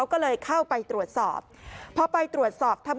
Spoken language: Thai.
กลุ่มตัวเชียงใหม่